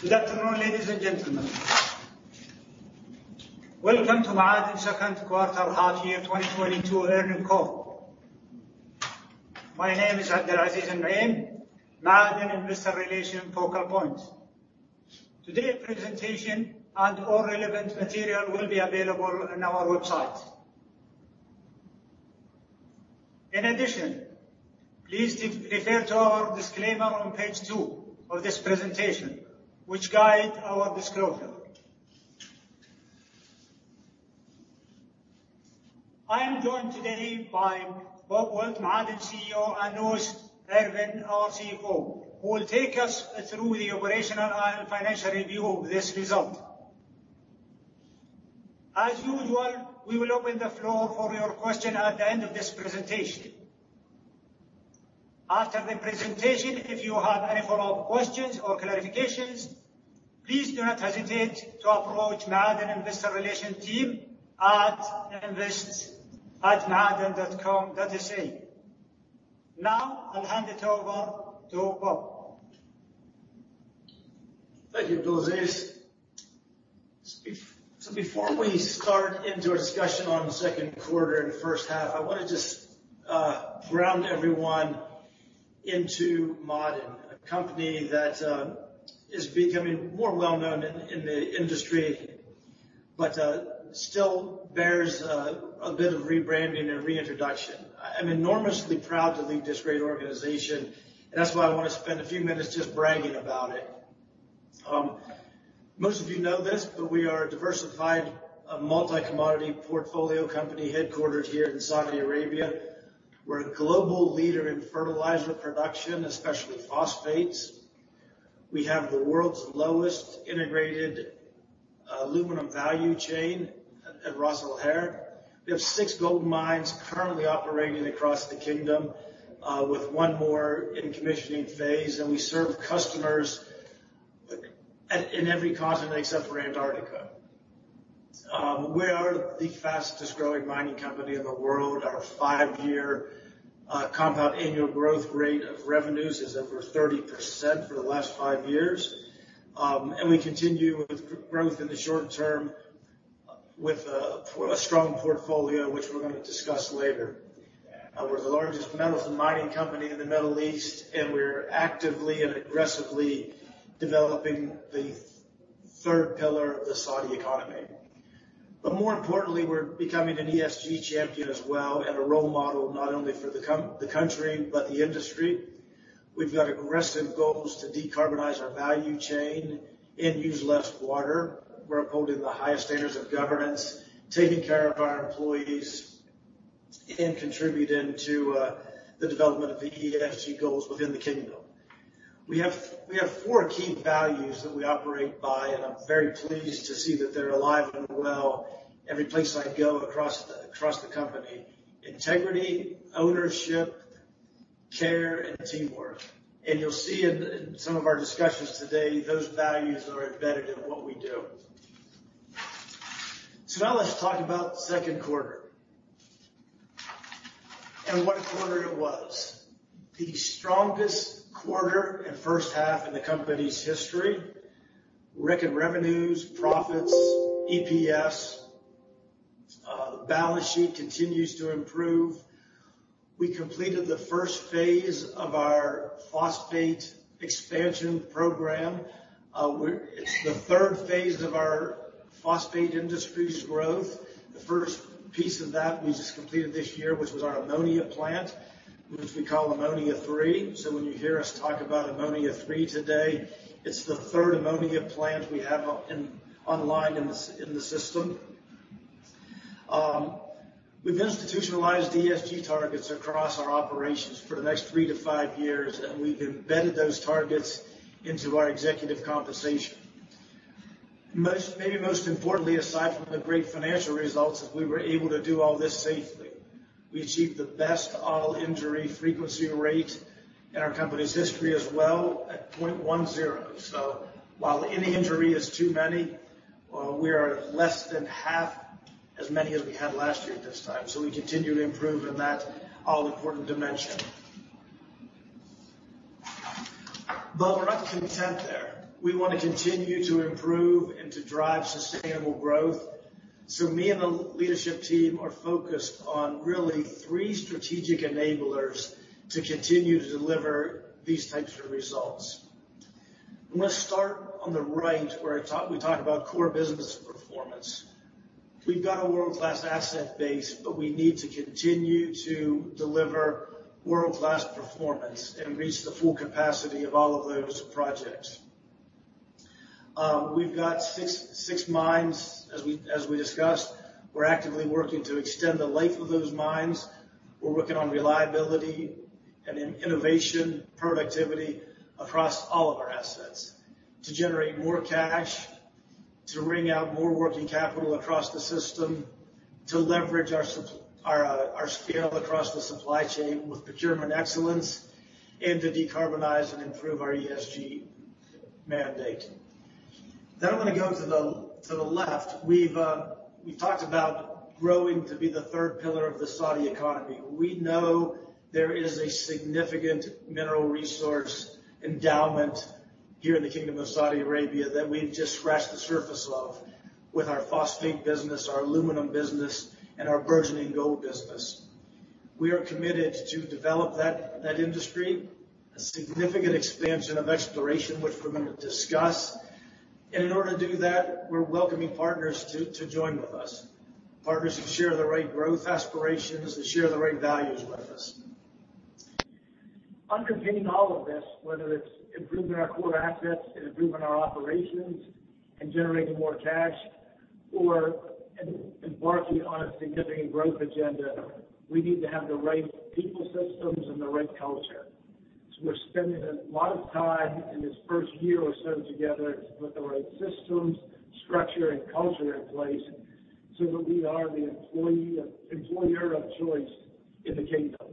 Good afternoon, ladies and gentlemen. Welcome to Ma'aden second quarter half year 2022 earnings call. My name is Abdulaziz Alnuaim, Ma'aden investor relations focal point. Today's presentation and all relevant material will be available on our website. In addition, please refer to our disclaimer on page two of this presentation, which guide our disclosure. I am joined today by Robert Wilt, Ma'aden CEO, and Louis Irvine, our CFO, who will take us through the operational and financial review of this result. As usual, we will open the floor for your questions at the end of this presentation. After the presentation, if you have any follow-up questions or clarifications, please do not hesitate to approach Ma'aden investor relation team at invest@ma'aden.com.sa. I'll hand it over to Bob. Thank you, Abdulaziz. Before we start into a discussion on the second quarter and first half, I want to just ground everyone into Ma'aden, a company that is becoming more well-known in the industry but still bears a bit of rebranding and reintroduction. I'm enormously proud to lead this great organization, and that's why I want to spend a few minutes just bragging about it. Most of you know this, but we are a diversified, multi-commodity portfolio company headquartered here in Saudi Arabia. We're a global leader in fertilizer production, especially phosphates. We have the world's lowest integrated aluminum value chain at Ras Al Khair. We have six gold mines currently operating across the kingdom, with one more in commissioning phase, and we serve customers in every continent except for Antarctica. We are the fastest growing mining company in the world. Our five-year compound annual growth rate of revenues is over 30% for the last five years. We continue with growth in the short term with a strong portfolio, which we're going to discuss later. We're the largest metal mining company in the Middle East, and we're actively and aggressively developing the third pillar of the Saudi economy. More importantly, we're becoming an ESG champion as well, and a role model not only for the country, but the industry. We've got aggressive goals to decarbonize our value chain and use less water. We're upholding the highest standards of governance, taking care of our employees and contributing to the development of the ESG goals within the kingdom. We have four key values that we operate by, I'm very pleased to see that they're alive and well every place I go across the company. Integrity, ownership, care, and teamwork. You'll see in some of our discussions today, those values are embedded in what we do. Now let's talk about second quarter and what a quarter it was. The strongest quarter and first half in the company's history. Record revenues, profits, EPS, balance sheet continues to improve. We completed the first phase of our phosphate expansion program. It's the third phase of our phosphate industry's growth. The first piece of that we just completed this year, which was our ammonia plant, which we call Ammonia 3. When you hear us talk about Ammonia 3 today, it's the third ammonia plant we have online in the system. We've institutionalized ESG targets across our operations for the next three to five years, and we've embedded those targets into our executive compensation. Maybe most importantly, aside from the great financial results, is we were able to do all this safely. We achieved the best all-injury frequency rate in our company's history as well at 0.10. While any injury is too many, we are less than half as many as we had last year at this time. We continue to improve in that all-important dimension. We're not content there. We want to continue to improve and to drive sustainable growth. Me and the leadership team are focused on really three strategic enablers to continue to deliver these types of results. I'm going to start on the right, where we talk about core business performance. We've got a world-class asset base, but we need to continue to deliver world-class performance and reach the full capacity of all of those projects. We've got six mines, as we discussed. We're actively working to extend the life of those mines. We're working on reliability and innovation, productivity across all of our assets to generate more cash, to wring out more working capital across the system, to leverage our scale across the supply chain with procurement excellence, and to decarbonize and improve our ESG mandate. I'm going to go to the left. We've talked about growing to be the third pillar of the Saudi economy. We know there is a significant mineral resource endowment here in the Kingdom of Saudi Arabia that we've just scratched the surface of with our phosphate business, our aluminum business, and our burgeoning gold business. We are committed to develop that industry, a significant expansion of exploration, which we're going to discuss. In order to do that, we're welcoming partners to join with us, partners who share the right growth aspirations and share the right values with us. Underpinning all of this, whether it's improving our core assets and improving our operations and generating more cash or embarking on a significant growth agenda, we need to have the right people systems and the right culture. We're spending a lot of time in this first year or so together to put the right systems, structure, and culture in place so that we are the employer of choice in the Kingdom.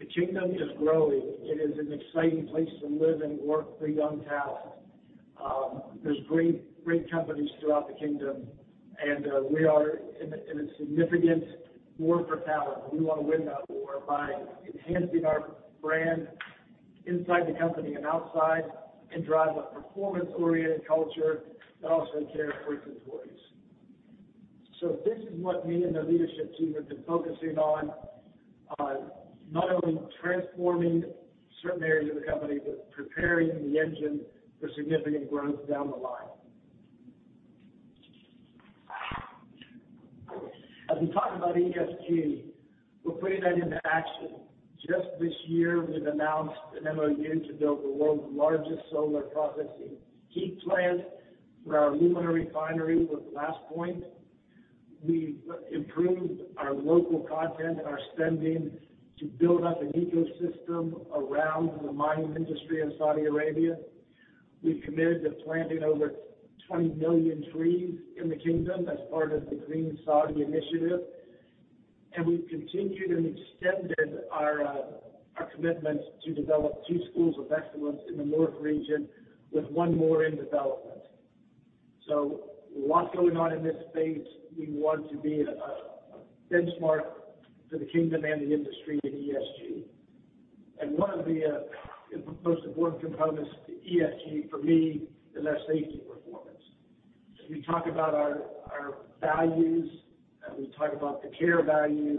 The Kingdom is growing. It is an exciting place to live and work for young talent. There's great companies throughout the Kingdom, and we are in a significant war for talent, and we want to win that war by enhancing our brand inside the company and outside and drive a performance-oriented culture that also cares for its employees. This is what me and the leadership team have been focusing on, not only transforming certain areas of the company, but preparing the engine for significant growth down the line. As we talk about ESG, we're putting that into action. Just this year, we've announced an MOU to build the world's largest solar processing heat plant for our alumina refinery with GlassPoint. We've improved our local content and our spending to build up an ecosystem around the mining industry in Saudi Arabia. We've committed to planting over 20 million trees in the kingdom as part of the Saudi Green Initiative, we've continued and extended our commitments to develop two schools of excellence in the North region with one more in development. A lot going on in this space. We want to be a benchmark for the kingdom and the industry in ESG. One of the most important components to ESG for me is our safety performance. As we talk about our values and we talk about the care value,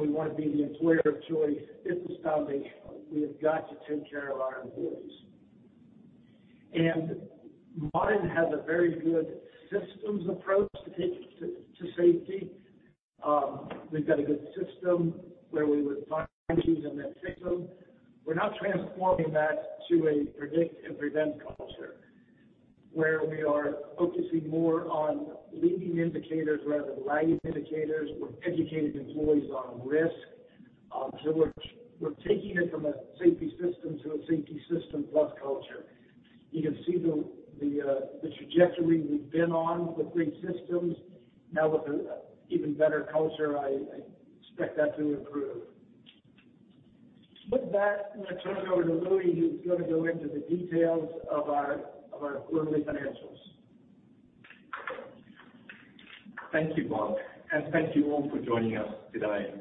we want to be the employer of choice, this is foundational. We have got to take care of our employees. Ma'aden has a very good systems approach to safety. We've got a good system where we would find issues in that system. We're now transforming that to a predict and prevent culture, where we are focusing more on leading indicators rather than lagging indicators. We're educating employees on risk. We're taking it from a safety system to a safety system plus culture. You can see the trajectory we've been on with these systems. Now with an even better culture, I expect that to improve. With that, I'm going to turn it over to Louis, who's going to go into the details of our quarterly financials. Thank you, Bob, and thank you all for joining us today.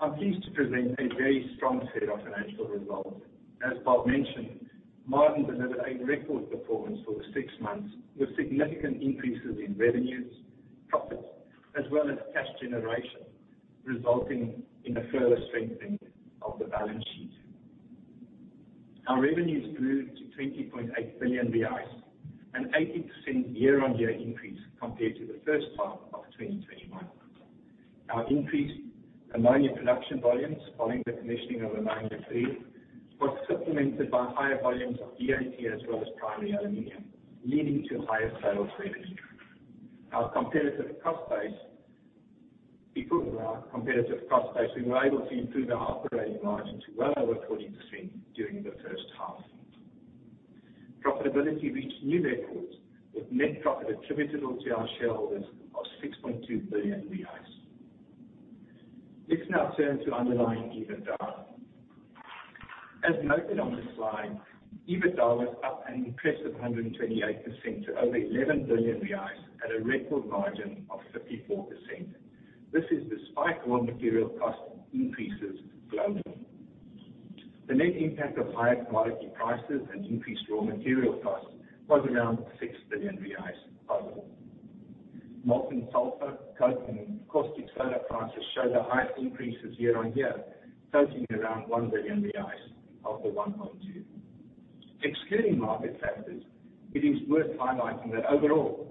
I'm pleased to present a very strong set of financial results. As Bob mentioned, Ma'aden delivered a record performance for the six months, with significant increases in revenues, profits, as well as cash generation, resulting in a further strengthening of the balance sheet. Our revenues grew to SAR 20.8 billion, an 18% year-on-year increase compared to the first half of 2021. Our increased ammonia production volumes following the commissioning of Ammonia 3 was supplemented by higher volumes of DAP as well as primary aluminum, leading to higher sales revenue. Improving our competitive cost base, we were able to improve our operating margin to well over 40% during the first half. Profitability reached new records, with net profit attributable to our shareholders of SAR 6.2 billion. Let's now turn to underlying EBITDA. As noted on the slide, EBITDA was up an impressive 128% to over SAR 11 billion at a record margin of 54%. This is despite raw material cost increases globally. The net impact of higher commodity prices and increased raw material costs was around SAR 6 billion positive. Molten sulfur, coke, and caustic soda prices show the highest increases year-on-year, totaling around SAR 1 billion of the 1.2. Excluding market factors, it is worth highlighting that overall,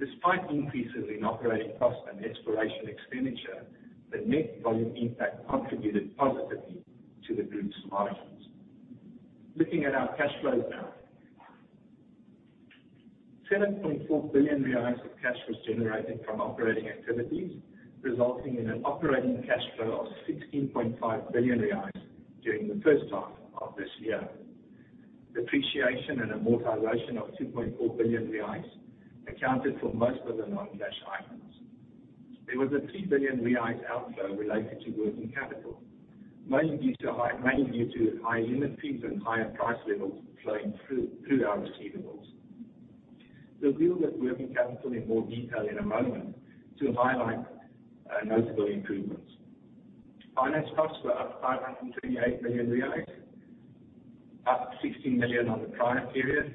despite increases in operating costs and exploration expenditure, the net volume impact contributed positively to the group's margins. Looking at our cash flows now. 7.4 billion of cash was generated from operating activities, resulting in an operating cash flow of SAR 16.5 billion during the first half of this year. Depreciation and amortization of SAR 2.4 billion accounted for most of the non-cash items. There was a SAR 3 billion outflow related to working capital, mainly due to high inventories and higher price levels flowing through our receivables. We will deal with working capital in more detail in a moment to highlight notable improvements. Finance costs were up SAR 528 million, up 60 million on the prior period.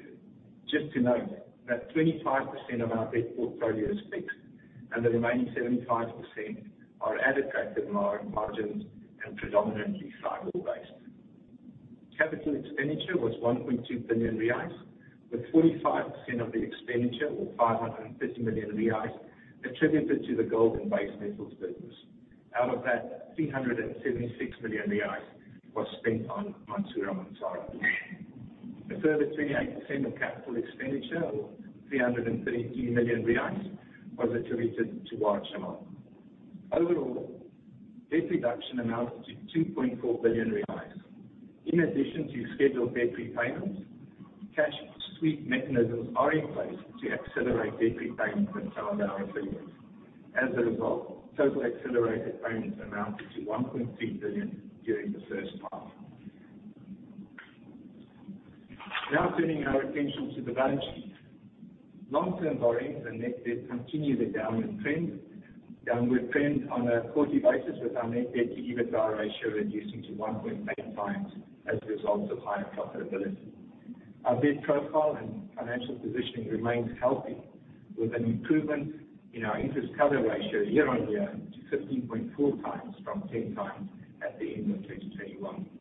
Just to note that 25% of our debt portfolio is fixed and the remaining 75% are adequately margined and predominantly SAIBOR based. Capital expenditure was SAR 1.2 billion, with 45% of the expenditure or SAR 550 million attributed to the Gold and Base Metals business. Out of that, SAR 376 million was spent on Mansourah and Massarah. A further 28% of capital expenditure, or SAR 333 million, was attributed to Wa'ad Al Shamal. Overall, debt reduction amounted to SAR 2.4 billion. In addition to scheduled debt repayments, cash sweep mechanisms are in place to accelerate debt repayment from some of our affiliates. As a result, total accelerated payments amounted to 1.2 billion during the first half. Now turning our attention to the balance sheet. Long-term borrowings and net debt continue the downward trend on a quarterly basis, with our net debt to EBITDA ratio reducing to 1.8x as a result of higher profitability. Our debt profile and financial positioning remains healthy, with an improvement in our interest cover ratio year-on-year to 15.4x from 10x at the end of 2021.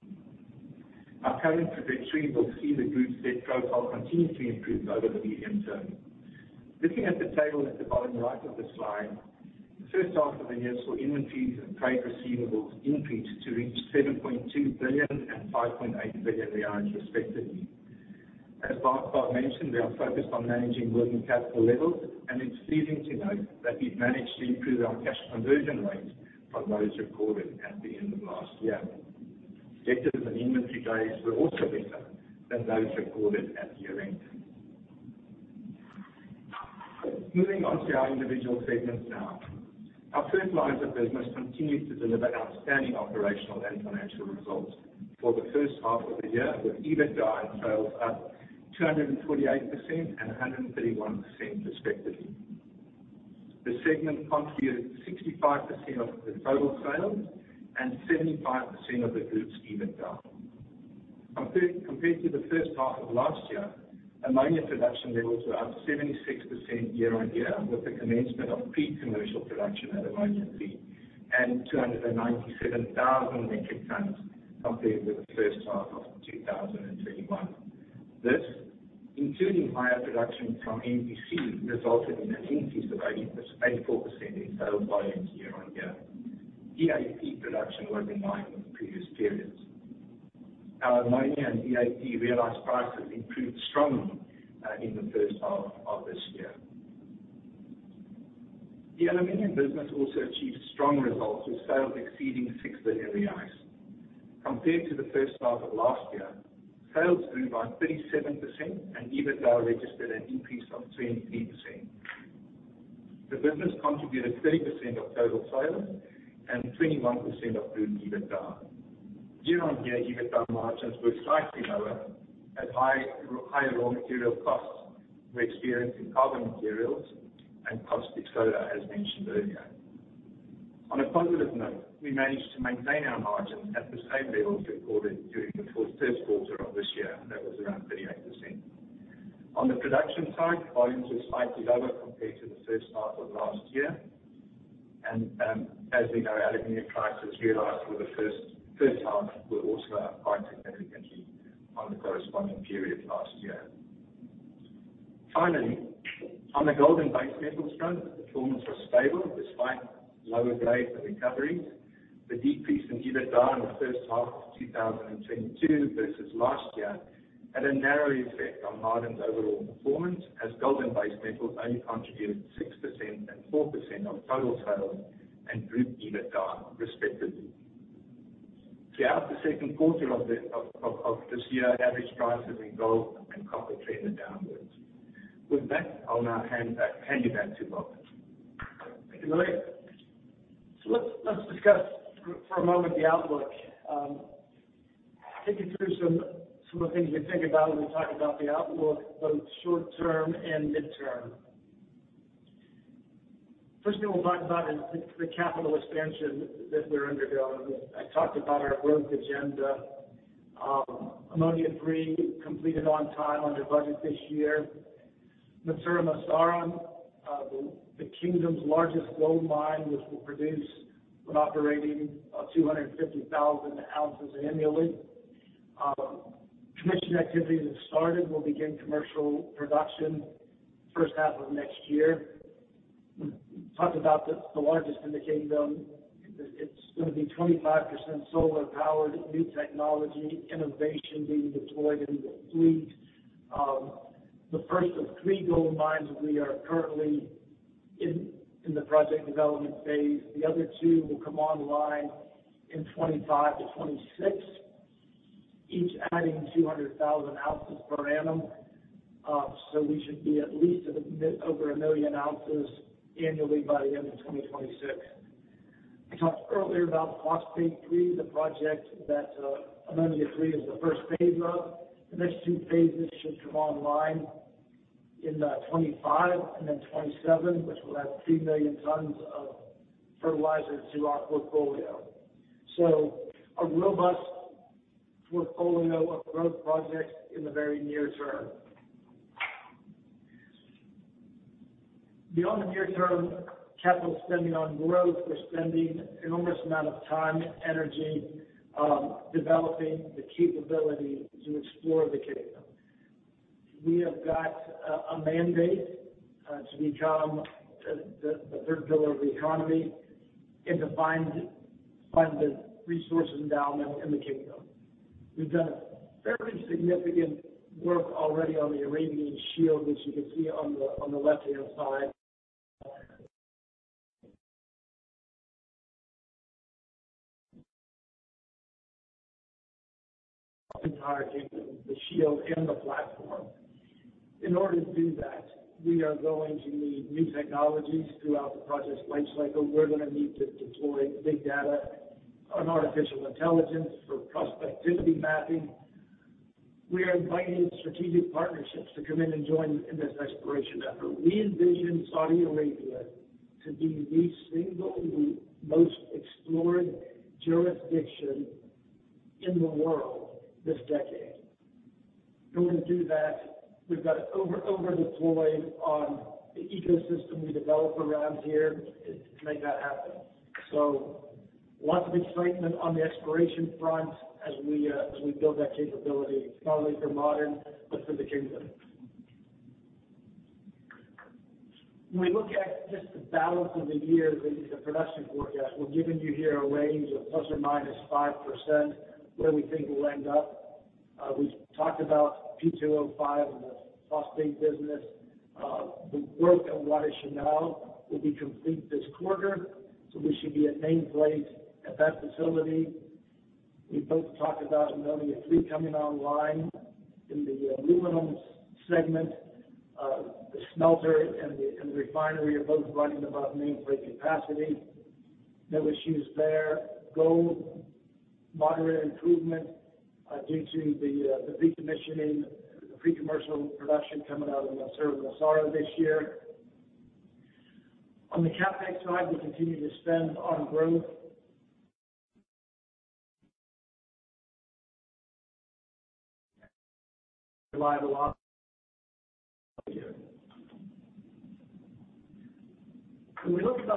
Our current trajectory will see the group's debt profile continuously improve over the medium term. Looking at the table at the bottom right of the slide, the first half of the year saw inventories and trade receivables increase to reach 7.2 billion and 5.8 billion respectively. As Bob mentioned, we are focused on managing working capital levels and it's pleasing to note that we've managed to improve our cash conversion rate from those recorded at the end of last year. Debtors and inventory days were also better than those recorded at year-end. Moving on to our individual segments now. Our Fertilizers business continued to deliver outstanding operational and financial results for the first half of the year, with EBITDA and sales up 228% and 131% respectively. The segment contributed 65% of the total sales and 75% of the group's EBITDA. Compared to the first half of last year, ammonia production levels were up 76% year-on-year with the commencement of pre-commercial production at Ammonia 3 and 297,000 metric tons compared with the first half of 2021. This, including higher production from MPC, resulted in an increase of 84% in sales volumes year-on-year. DAP production was in line with previous periods. Our ammonia and DAP realized prices improved strongly in the first half of this year. The Aluminum business also achieved strong results with sales exceeding SAR 6 billion. Compared to the first half of last year, sales grew by 37% and EBITDA registered an increase of 23%. The business contributed 30% of total sales and 21% of group EBITDA. Year-on-year EBITDA margins were slightly lower as higher raw material costs were experienced in carbon materials and caustic soda as mentioned earlier. On a positive note, we managed to maintain our margins at the same levels recorded during the first quarter of this year, and that was around 38%. On the production side, volumes were slightly lower compared to the first half of last year. As we know, aluminum prices realized for the first half were also up quite significantly on the corresponding period last year. Finally, on the gold and base metals front, performance was stable despite lower grade and recoveries. The decrease in EBITDA in the first half of 2022 versus last year had a narrow effect on Ma'aden's overall performance, as gold and base metals only contributed 6% and 4% of total sales and group EBITDA respectively. Throughout the second quarter of this year, average prices in gold and copper trended downwards. With that, I'll now hand you back to Bob. Thank you, Louis. Let's discuss for a moment the outlook. Take you through some of the things we think about when we talk about the outlook, both short-term and midterm. First thing we'll talk about is the capital expansion that we're undergoing. I talked about our work agenda. Ammonia 3 completed on time, under budget this year. Mansourah Massarah, the Kingdom's largest gold mine, which will produce when operating 250,000 ounces annually. Commission activities have started. We'll begin commercial production first half of next year. Talked about the largest in the Kingdom. It's going to be 25% solar powered, new technology, innovation being deployed in the fleet. The first of three gold mines that we are currently in the project development phase. The other two will come online in 2025-2026. Each adding 200,000 ounces per annum. We should be at least over a million ounces annually by the end of 2026. I talked earlier about Phosphate 3, the project that Ammonia 3 is the first phase of. The next two phases should come online in 2025 and then 2027, which will add three million tons of fertilizer to our portfolio. A robust portfolio of growth projects in the very near term. Beyond the near-term capital spending on growth, we're spending enormous amount of time and energy on developing the capability to explore the Kingdom. We have got a mandate to become the third pillar of the economy and to find the resource endowment in the Kingdom. We've done very significant work already on the Arabian Shield, which you can see on the left-hand side. Entire Kingdom, the shield, and the platform. In order to do that, we are going to need new technologies throughout the project's life cycle. We're going to need to deploy big data and artificial intelligence for prospectivity mapping. We are inviting strategic partnerships to come in and join in this exploration effort. We envision Saudi Arabia to be the single most explored jurisdiction in the world this decade. In order to do that, we've got to over-deploy on the ecosystem we develop around here to make that happen. Lots of excitement on the exploration front as we build that capability, not only for Ma'aden but for the Kingdom. When we look at just the balance of the year, the production forecast, we're giving you here a range of ±5% where we think we'll end up. We've talked about P2O5 and the phosphate business. The work at Wa'ad Al Shamal will be complete this quarter, we should be at nameplate at that facility. We both talked about Aluminum Three coming online in the aluminum segment. The smelter and the refinery are both running above nameplate capacity. No issues there. Gold, moderate improvement due to the decommissioning, pre-commercial production coming out of Mansourah Massarah this year. On the CapEx side, we continue to spend on growth. When we look at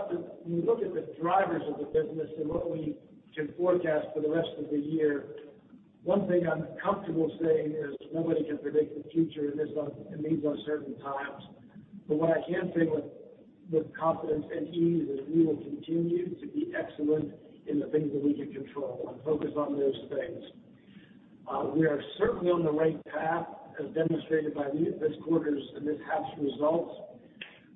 the drivers of the business and what we can forecast for the rest of the year, one thing I'm comfortable saying is nobody can predict the future in these uncertain times. What I can say with confidence and ease is we will continue to be excellent in the things that we can control and focus on those things. We are certainly on the right path, as demonstrated by this quarter's and this half's results.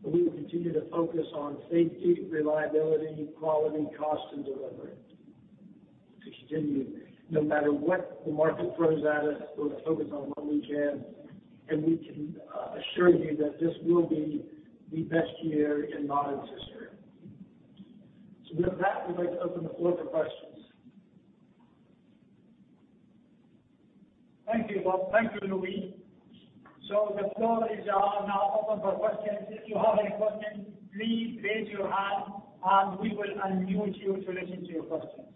We will continue to focus on safety, reliability, quality, cost, and delivery to continue no matter what the market throws at us. We'll focus on what we can, and we can assure you that this will be the best year in Ma'aden's history. With that, we'd like to open the floor for questions. Thank you, Bob. Thank you, Louis. The floor is now open for questions. If you have any questions, please raise your hand, and we will unmute you to listen to your questions.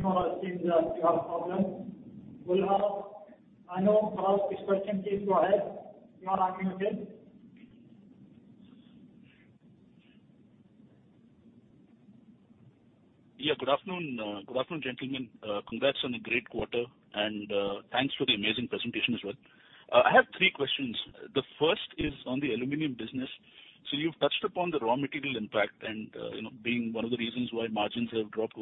Sorry, Noel seems like you have a problem. Gulhal, I know Gulhal's question. Please go ahead. You are unmuted. Good afternoon. Good afternoon, gentlemen. Congrats on a great quarter, and thanks for the amazing presentation as well. I have three questions. The first is on the aluminum business. You've touched upon the raw material impact and being one of the reasons why margins have dropped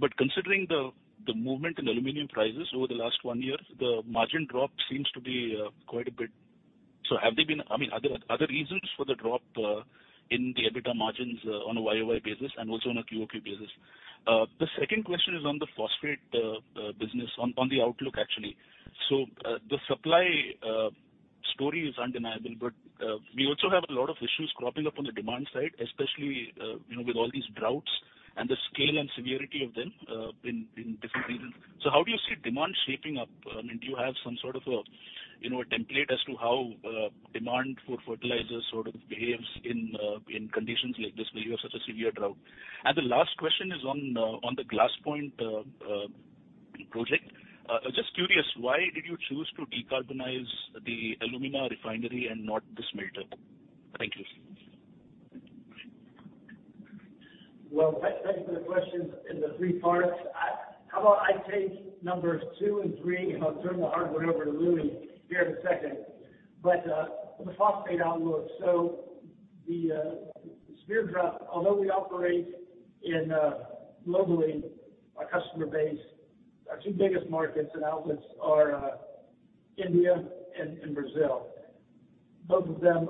Y-o-Y. Considering the movement in aluminum prices over the last one year, the margin drop seems to be quite a bit. Are there other reasons for the drop in the EBITDA margins on a Y-o-Y basis and also on a Q-o-Q basis? The second question is on the phosphate business, on the outlook, actually. The supply story is undeniable, but we also have a lot of issues cropping up on the demand side, especially with all these droughts and the scale and severity of them in different regions. How do you see demand shaping up? Do you have some sort of a template as to how demand for fertilizers sort of behaves in conditions like this, where you have such a severe drought? The last question is on the GlassPoint project. Just curious, why did you choose to decarbonize the alumina refinery and not the smelter? Thank you. Well, thank you for the question in the three parts. I'll turn the hard one over to Louis here in a second. The phosphate outlook, Spear drip, although we operate globally, our customer base, our 2 biggest markets and outlets are India and Brazil. Both of them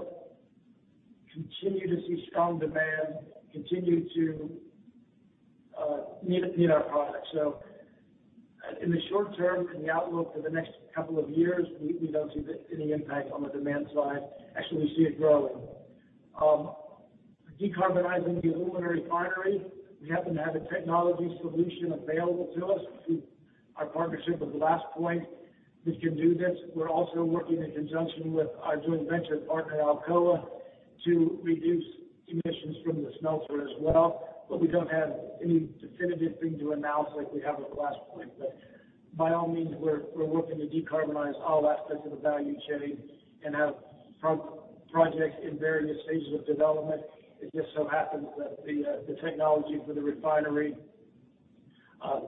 continue to see strong demand, continue to need our product. In the short term, in the outlook for the next couple of years, we don't see any impact on the demand side. Actually, we see it growing. Decarbonizing the alumina refinery, we happen to have a technology solution available to us through our partnership with GlassPoint that can do this. We're also working in conjunction with our joint venture partner, Alcoa, to reduce emissions from the smelter as well. We don't have any definitive thing to announce like we have with GlassPoint. By all means, we're working to decarbonize all aspects of the value chain and have projects in various stages of development. It just so happens that the technology for the refinery,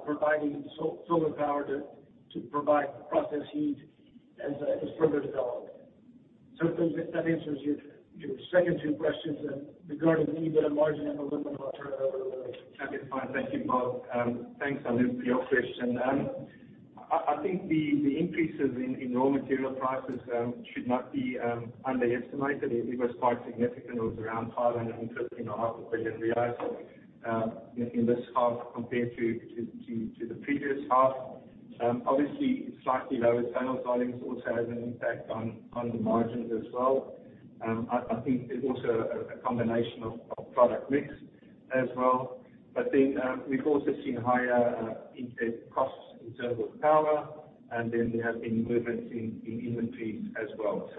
providing solar power to provide the process heat is further developed. I hope that answers your second 2 questions. Regarding the EBITDA margin, I will turn it over to Louis. That is fine. Thank you, Bob. Thanks, Anil, for your question. I think the increases in raw material prices should not be underestimated. It was quite significant. It was around 550 million or half a billion riyals in this half compared to the previous half. Obviously, slightly lower sales volumes also has an impact on the margins as well. I think it's also a combination of product mix as well. We've also seen higher input costs in terms of power, we have been moving in inventories as well.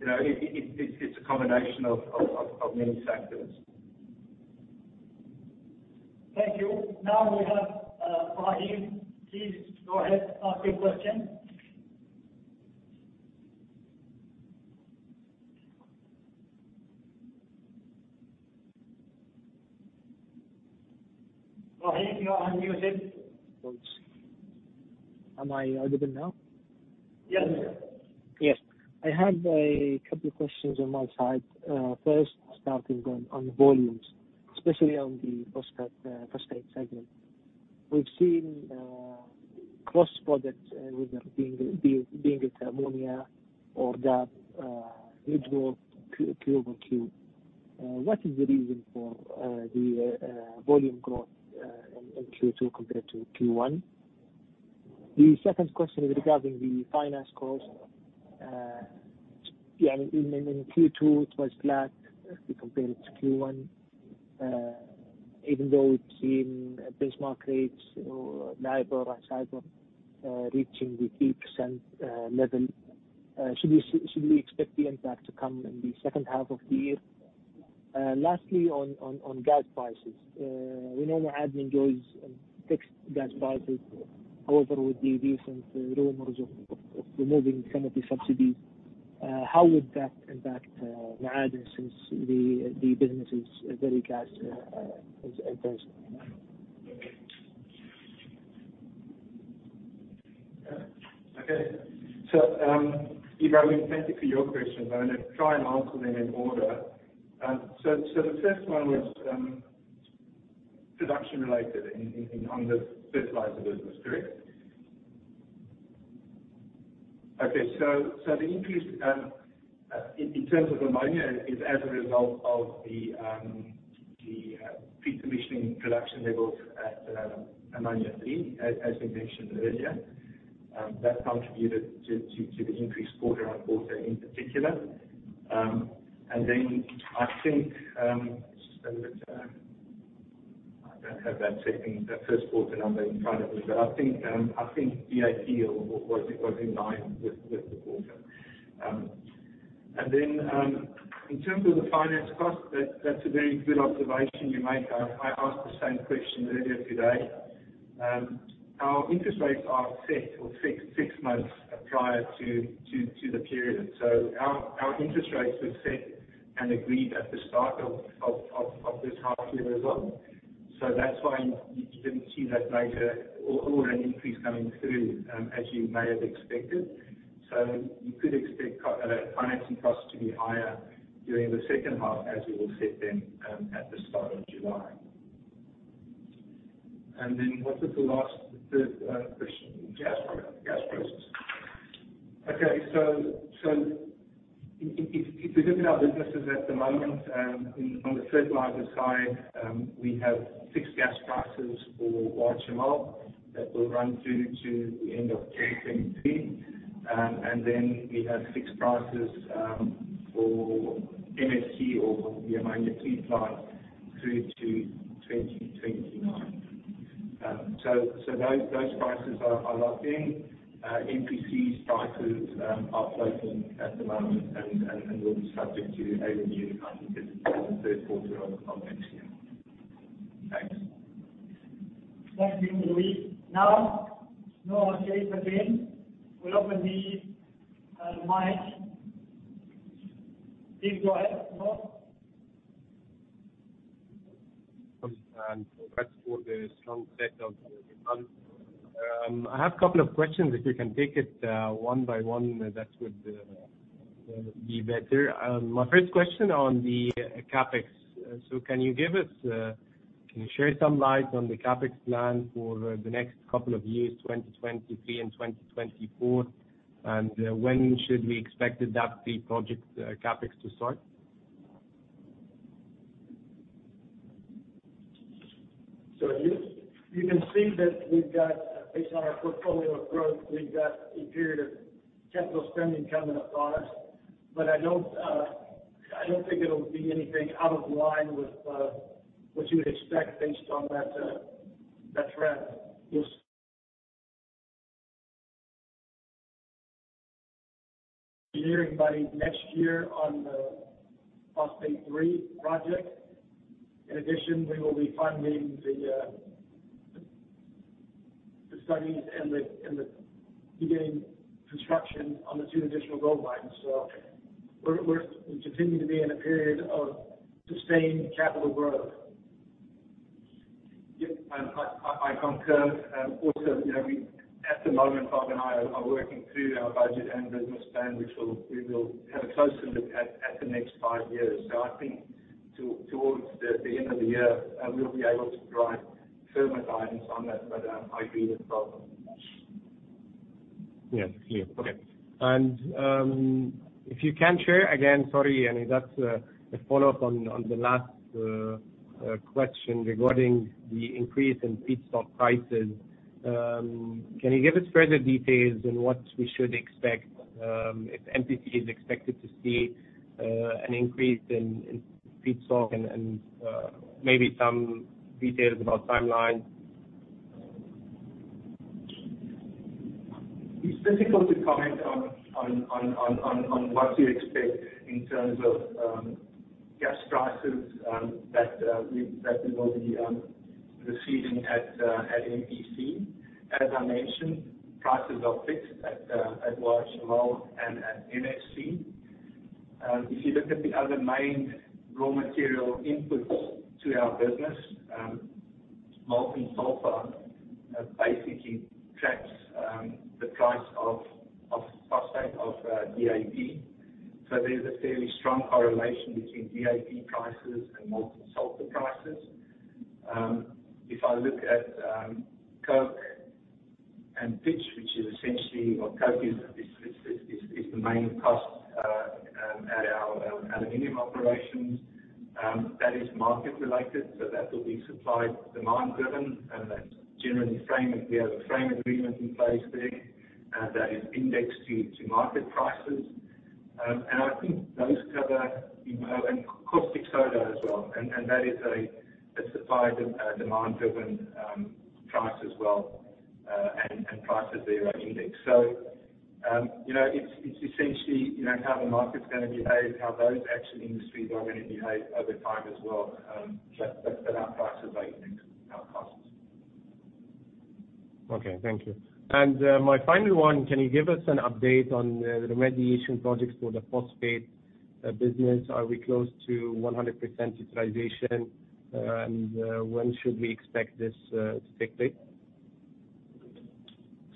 It's a combination of many factors. Thank you. Now we have Wahid. Please go ahead, ask your question. Wahid, go ahead. Unmute it. Am I audible now? Yes. Yes. I have a couple of questions on my side. First, starting on volumes, especially on the phosphate segment. We've seen cross products, whether being it ammonia or DAP, which were Q over Q. What is the reason for the volume growth in Q2 compared to Q1? The second question is regarding the finance cost. In Q2, it was flat if we compare it to Q1, even though we've seen benchmark rates or LIBOR and SAIBOR reaching the 3% level. Should we expect the impact to come in the second half of the year? Lastly, on gas prices. We know Ma'aden enjoys fixed gas prices. However, with the recent rumors of removing some of the subsidies, how would that impact Ma'aden since the business is very gas intensive? Okay. Thank you for your questions. I'm going to try and answer them in order. The first one was production-related and on the fertilizer business, correct? Okay. The increase in terms of ammonia is as a result of the pre-commissioning production levels at Ammonia 3, as we mentioned earlier. That contributed to the increased quarter-on-quarter in particular. I think, I don't have that first quarter number in front of me, but I think the IEP was in line with the quarter. In terms of the finance cost, that's a very good observation you make. I asked the same question earlier today. Our interest rates are set or fixed 6 months prior to the period. Our interest rates were set and agreed at the start of this half year as well. That's why you didn't see that later or an increase coming through as you may have expected. You could expect financing costs to be higher during the second half as we will set them at the start of July. What was the last, the third question? Gas prices. Okay. If we look at our businesses at the moment, on the fertilizer side, we have fixed gas prices for YHML that will run through to the end of 2023. We have fixed prices for MSC or the Ammonia 3 plant through to 2029. Those prices are locked in. MPC's prices are floating at the moment and will be subject to a review, I think, in the third quarter of next year. Thanks. Thank you, Louis. Noah Sheris again. We will open the mic. Please go ahead, Noah. Congrats for the strong set of results. I have a couple of questions. If you can take it one by one, that would be better. My first question on the CapEx. Can you share some light on the CapEx plan for the next couple of years, 2023 and 2024? When should we expect the project CapEx to start? You can see that based on our portfolio of growth, we've got a period of capital spending coming upon us. I don't think it will be anything out of line with what you would expect based on that trend. We will be hearing by next year on the Phosphate 3 project. In addition, we will be funding the studies and beginning construction on the two additional gold mines. We continue to be in a period of sustained capital growth. Yep. I concur. Also, at the moment, Robert Wilt and I are working through our budget and business plan, which we will have a closer look at the next five years. I think towards the end of the year, we'll be able to provide further guidance on that. I agree with Robert Wilt. Yes. Clear. Okay. If you can share, again, sorry, that's a follow-up on the last question regarding the increase in pitch prices. Can you give us further details on what we should expect, if MPC is expected to see an increase in pitch and maybe some details about timeline? It's difficult to comment on what to expect in terms of gas prices that we will be receiving at MPC. As I mentioned, prices are fixed at Wa'ad Al Shamal and at MFC. If you look at the other main raw material inputs to our business, molten sulfur basically tracks the price of phosphate, of DAP. There's a fairly strong correlation between DAP prices and molten sulfur prices. If I look at coke and pitch, which is essentially what coke is the main cost at our aluminum operations. That is market related, so that will be supply and demand driven, and that generally we have a frame agreement in place there that is indexed to market prices. I think those cover, caustic soda as well, that is a supply and demand driven price as well, and prices there are indexed. It's essentially how the market is going to behave, how those actual industries are going to behave over time as well, our prices are indexed to our costs. Okay, thank you. My final one, can you give us an update on the remediation projects for the phosphate business? Are we close to 100% utilization? When should we expect this to take place?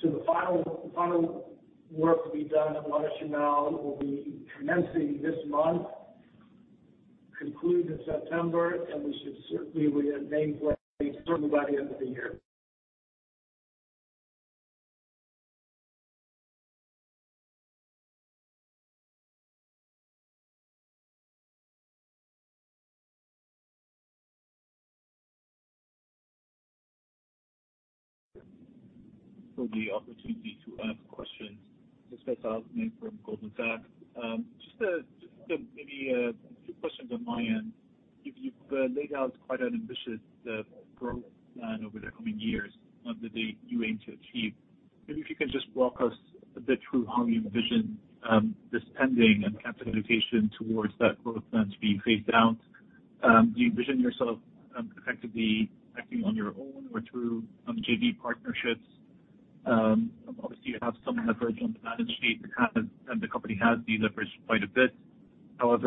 The final work to be done at Wa'ad Al Shamal will be commencing this month, conclude in September, we should certainly be made way by the end of the year. For the opportunity to ask questions. It's Faisal Amin from Goldman Sachs. Maybe a few questions on my end. You've laid out quite an ambitious growth plan over the coming years, one that you aim to achieve. If you can just walk us a bit through how you envision this spending and capital allocation towards that growth plan to be phased out. Do you envision yourself effectively acting on your own or through JV partnerships? You have some leverage on the balance sheet and the company has deleveraged quite a bit. I would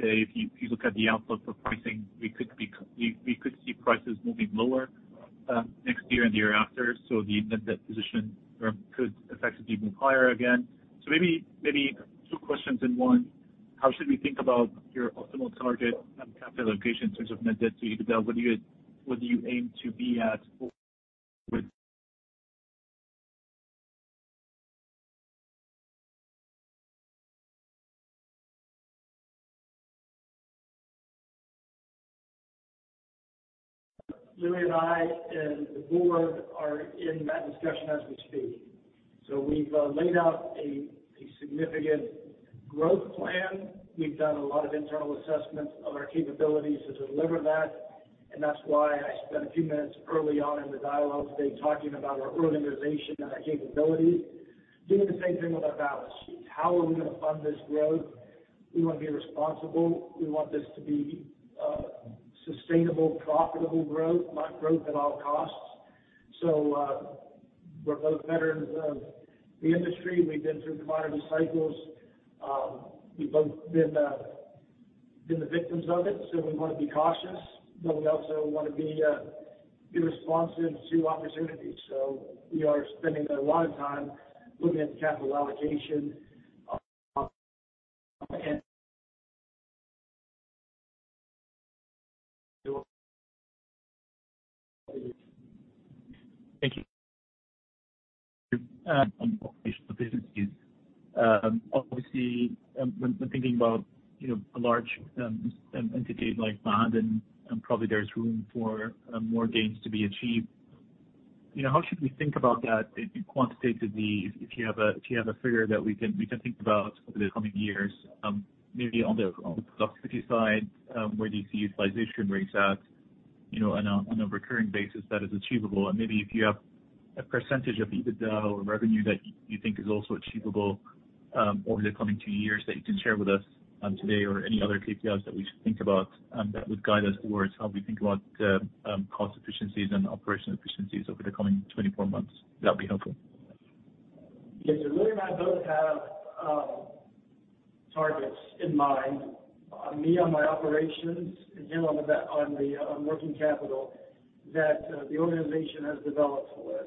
say if you look at the outlook for pricing, we could see prices moving lower next year and the year after. The net debt position could effectively move higher again. Maybe two questions in one. How should we think about your optimal target on capital allocation in terms of net debt to EBITDA? What do you aim to be at? Louis and I and the board are in that discussion as we speak. We've laid out a significant growth plan. We've done a lot of internal assessments of our capabilities to deliver that, and that's why I spent a few minutes early on in the dialogue today talking about our organization and our capabilities. Doing the same thing with our balance sheet. How are we going to fund this growth? We want to be responsible. We want this to be sustainable, profitable growth, not growth at all costs. We're both veterans of the industry. We've been through commodity cycles. We've both been the victims of it, so we want to be cautious, but we also want to be responsive to opportunities. We are spending a lot of time looking at capital allocation. Thank you. Obviously, when thinking about a large entity like Ma'aden, and probably there's room for more gains to be achieved. How should we think about that quantitatively, if you have a figure that we can think about over the coming years? Maybe on the productivity side, where do you see utilization rates at on a recurring basis that is achievable? Maybe if you have a percentage of EBITDA or revenue that you think is also achievable over the coming two years that you can share with us today or any other KPIs that we should think about that would guide us towards how we think about cost efficiencies and operational efficiencies over the coming 24 months, that would be helpful. Yes. Louis and I both have targets in mind. Me on my operations and him on working capital that the organization has developed for us.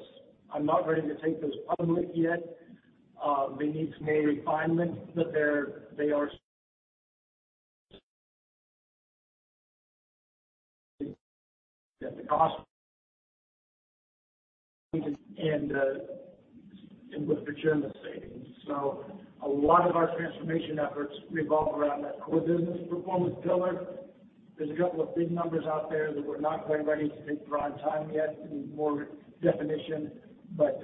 I'm not ready to take those public yet. They need some more refinement, but they are the cost and with the German savings. A lot of our transformation efforts revolve around that core business performance pillar. There's a couple of big numbers out there that we're not quite ready to take prime time yet. It needs more definition, but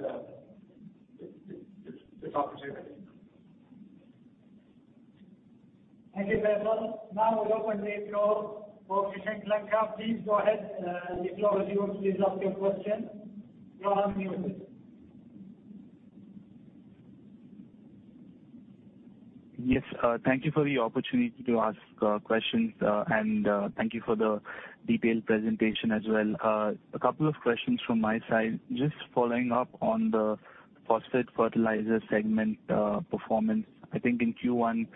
there's opportunity. Thank you, gentlemen. Now we open the floor for questions. Lanka, please go ahead. If you want to ask your question, go on mute. Yes. Thank you for the opportunity to ask questions. Thank you for the detailed presentation as well. A couple of questions from my side. Just following up on the phosphate fertilizer segment performance. I think in Q1,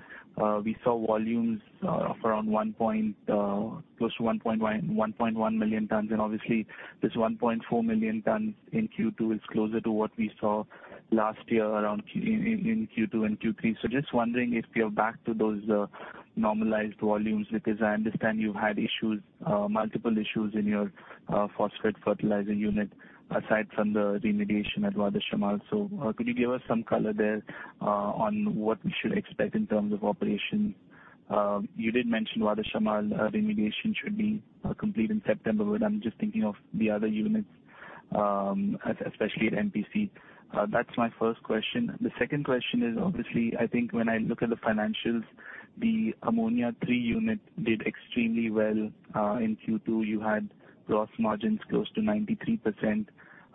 we saw volumes of around close to 1.1 million tonnes. Obviously this 1.4 million tonnes in Q2 is closer to what we saw last year in Q2 and Q3. Just wondering if we are back to those normalized volumes, because I understand you've had multiple issues in your phosphate fertilizer unit aside from the remediation at Wa'ad Al Shamal. Could you give us some color there on what we should expect in terms of operations? You did mention Wa'ad Al Shamal remediation should be complete in September. I'm just thinking of the other units, especially at MPC. That's my first question. The second question is obviously, I think when I look at the financials, the Ammonia 3 unit did extremely well in Q2. You had gross margins close to 93%.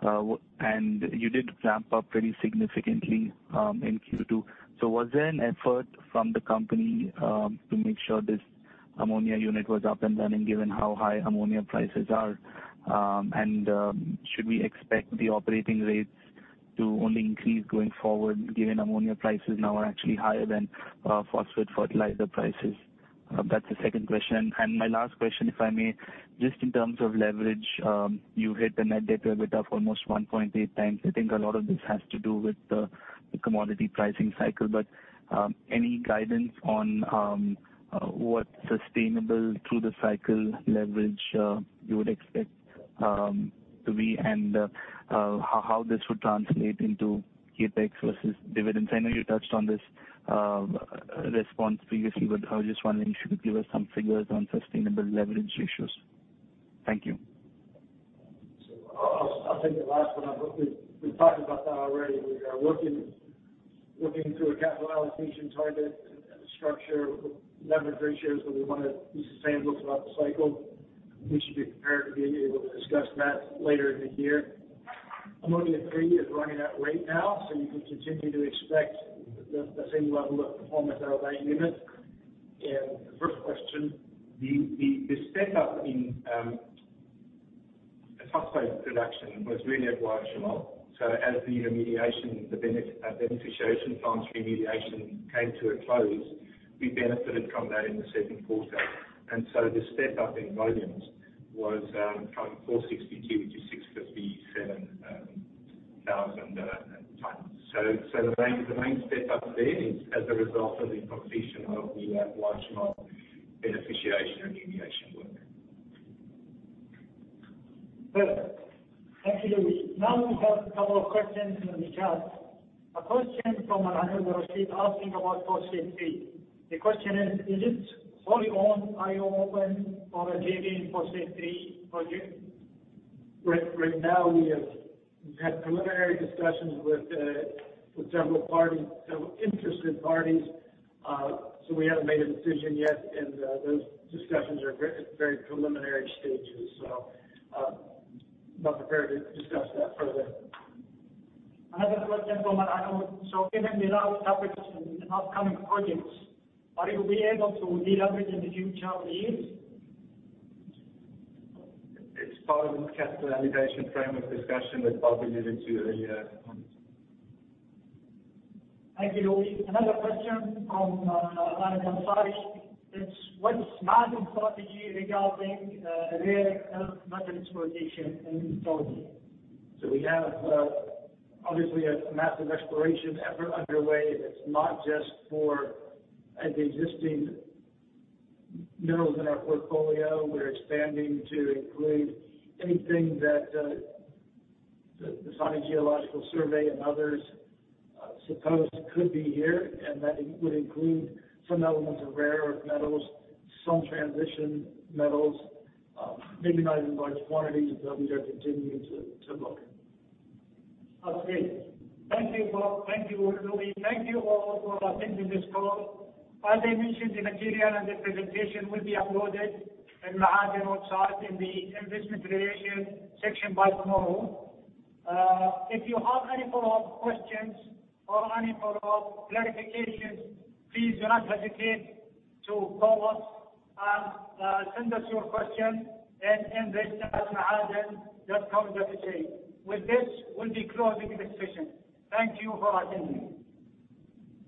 You did ramp up very significantly in Q2. Was there an effort from the company to make sure this ammonia unit was up and running given how high ammonia prices are? Should we expect the operating rates to only increase going forward given ammonia prices now are actually higher than phosphate fertilizer prices? That's the second question. My last question, if I may, just in terms of leverage, you hit the net debt to EBITDA of almost 1.8 times. I think a lot of this has to do with the commodity pricing cycle. Any guidance on what sustainable through the cycle leverage you would expect to be and how this would translate into CapEx versus dividends? I know you touched on this response previously. I was just wondering if you could give us some figures on sustainable leverage ratios. Thank you. I'll take the last one. We've talked about that already. We are working through a capital allocation target and a structure of leverage ratios that we want to be sustainable throughout the cycle. We should be prepared to be able to discuss that later in the year. Ammonia 3 is running at rate now. You can continue to expect the same level of performance out of that unit. The first question. The step up in phosphate production was really at Wa'ad Al Shamal. As the remediation, the beneficiation plant remediation came to a close, we benefited from that in the second quarter. The step up in volumes was from 462 to 657,000 tonnes. The main step up there is as a result of the completion of the Wa'ad Al Shamal beneficiation remediation work. Good. Thank you, Louis. Now we have a couple of questions in the chat. A question from Anangu Rasheed asking about Phosphate 3. The question is, "Is it wholly owned, or a JV in Phosphate 3 project? Right now, we have had preliminary discussions with several interested parties. We haven't made a decision yet, and those discussions are at very preliminary stages, so not prepared to discuss that further. Another question from Anangu. "Given the large capital spend in upcoming projects, are you able to deleverage in the future years? It's part of the capital allocation framework discussion that Bob alluded to earlier on. Thank you, Louis. Another question from Alan Gamsari. It's, "What's Ma'aden strategy regarding rare earth metal exploitation in Saudi? We have obviously a massive exploration effort underway that's not just for the existing minerals in our portfolio. We're expanding to include anything that the Saudi Geological Survey and others suppose could be here, and that would include some elements of rare earth metals, some transition metals, maybe not in large quantities, but we are continuing to look. Okay. Thank you, Bob. Thank you, Louis. Thank you all for attending this call. As I mentioned, the material and the presentation will be uploaded in Ma'aden website in the investment relations section by tomorrow. If you have any follow-up questions or any follow-up clarifications, please do not hesitate to call us and send us your questions at invest@maaden.com.sa. With this, we'll be closing the session. Thank you for attending.